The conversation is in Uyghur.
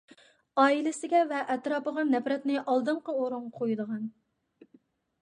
ئائىلىسىگە ۋە ئەتراپىغا نەپرەتنى ئالدىنقى ئورۇنغا قويىدىغان.